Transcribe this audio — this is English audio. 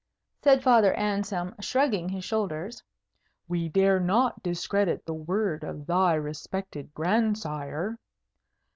said Father Anselm, shrugging his shoulders. "We dare not discredit the word of thy respected grandsire."